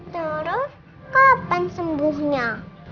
doro kapan sembuhnya